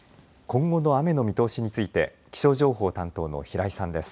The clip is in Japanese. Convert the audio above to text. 今後の雨の見通しについて気象情報担当の平井さんです。